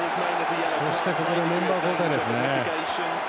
そして、ここでメンバー交代ですね。